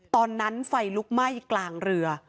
ตอนนั้นไฟลุกไหม้กลางเรือ